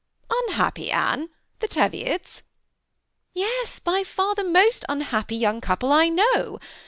" Unhappy, Anne, the Teviots !"Yes, by far the most unhappy young couple I know.